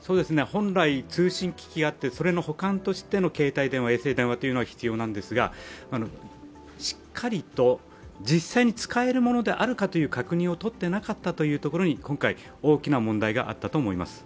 本来、通信機器があって、その補完としての携帯電話、衛星電話は必要なんですが、しっかりと実際に使えるものであるかどうかの確認を取っていなかったところに今回、大きな問題があったと思います。